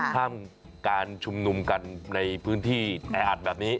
ห้ามการชุมนุมกันในพื้นที่แออัดแบบนี้